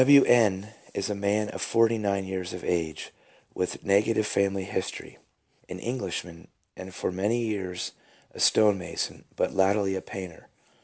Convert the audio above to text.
W. N. is a man forty nine years of age, with negative family history, an Englishman, and for many years a stone mason, but latterly a painter.